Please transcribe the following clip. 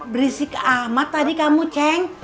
berisik amat tadi kamu ceng